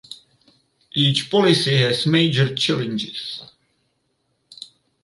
Each policy has major challenges.